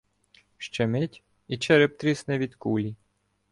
Ще мить — і череп трісне від кулі.